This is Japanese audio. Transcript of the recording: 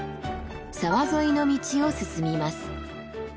沢沿いの道を進みます。